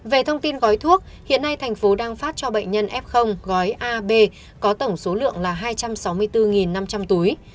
về thông tin gói thuốc hiện nay thành phố đang phát cho bệnh nhân f gói ab có tổng số lượng là hai trăm sáu mươi bốn năm trăm linh túi